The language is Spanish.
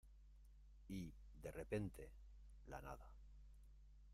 y, de repente , la nada